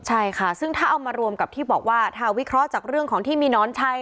ใช่ค่ะซึ่งถ้าเอามารวมกับที่บอกว่าถ้าวิเคราะห์จากเรื่องของที่มีนอนชัย